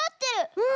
うん。